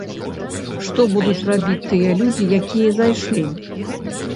Што будуць рабіць тыя людзі, якія зайшлі?